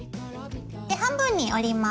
で半分に折ります。